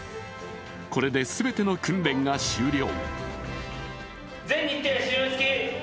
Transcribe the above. これで全ての訓練が修了。